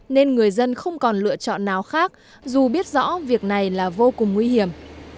nên người dân không còn lựa chọn nào khác dù biết rõ việc này là vô cùng nguy hiểm